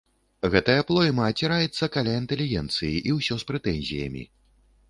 Гэтая плойма аціраецца каля інтэлігенцыі і ўсё з прэтэнзіямі.